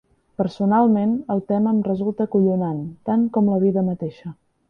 Personalment, el tema em resulta acollonant, tant com la vida mateixa.